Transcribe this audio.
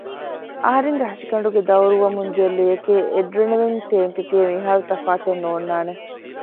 އަހަރެންގެ ހަށިގަނޑުގައި ދައުރުވަމުންދިޔަ ލެޔެކޭ އެޑްރަނެލިންގެ ޓޭންކެކޭ މިހާރު ތަފާތެއް ނޯންނާނެ